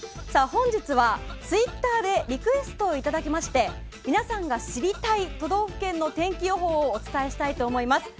本日は、ツイッターでリクエストをいただきまして皆さんが知りたい都道府県の天気予報をお伝えしたいと思います。